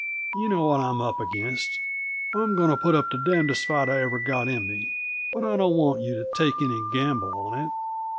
You know what I'm up against. I'm going to put up the damnedest fight I've got in me, but I don't want you to take any gamble on it.